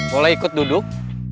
boleh ikut duduk